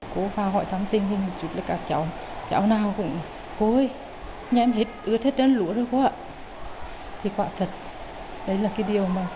cô phá hội thông tin